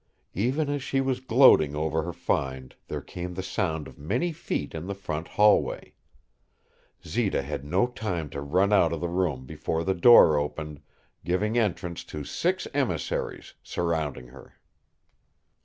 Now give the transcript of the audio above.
Even as she was gloating over her find there came the sound of many feet in the front hallway. Zita had no time to run out of the room before the door opened, giving entrance to six emissaries, surrounding her.